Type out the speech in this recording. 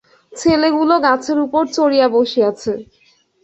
ছেলেগুলো গাছের উপর চড়িয়া বসিয়াছে।